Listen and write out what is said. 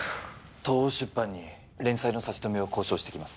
東央出版に連載の差し止めを交渉してきます